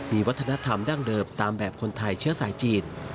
มีวัฒนธรรมดั้งเดิมตามแบบคนไทยเชื้อสายจีน